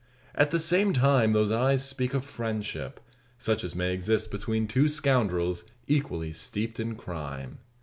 At the same time those eyes speak of friendship; such as may exist between two scoundrels equally steeped in crime.